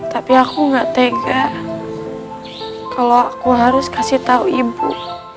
tapi aku gak tega kalau aku harus kasih tahu ibu